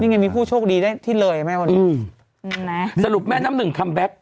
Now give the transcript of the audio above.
ไงมีผู้โชคดีได้ที่เลยแม่วันนี้อืมนะสรุปแม่น้ำหนึ่งคัมแบ็ค